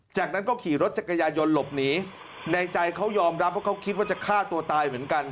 จากนั้นก็ขี่รถจักรยายนต์หลบหนีในใจเขายอมรับว่าเขาคิดว่าจะฆ่าตัวตายเหมือนกัน